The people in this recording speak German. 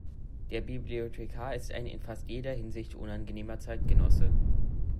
Der Bibliothekar ist ein in fast jeder Hinsicht unangenehmer Zeitgenosse.